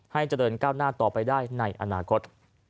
ให้เจริญก้าวหน้าต่อไปได้ในอนาคต